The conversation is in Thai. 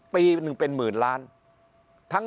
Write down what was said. ปีหนึ่งเป็นหมื่นล้าน